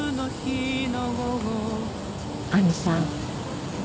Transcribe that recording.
亜美さん